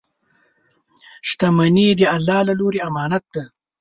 • شتمني د الله له لورې امانت دی.